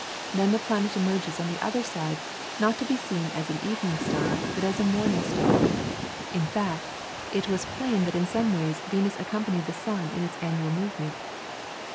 Then the planet emerges on the other side, not to be seen as an evening star, but as a morning star. In fact, it was plain that in some ways Venus accompanied the sun in its annual movement.